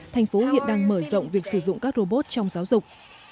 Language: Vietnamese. thành phố hiện đang mở rộng việc sử dụng các robot trong giáo dục